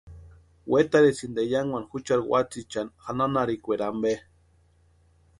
Wetarhesïnti eyankwani juchari watsïichani janhanharhikwaeri ampe.